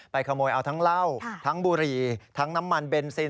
ขโมยเอาทั้งเหล้าทั้งบุหรี่ทั้งน้ำมันเบนซิน